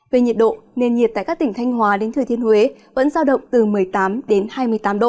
về nhiệt độ nền nhiệt tại các tỉnh thanh hóa đến thừa thiên huế vẫn giao động từ một mươi tám đến hai mươi tám độ